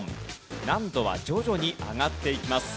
難度は徐々に上がっていきます。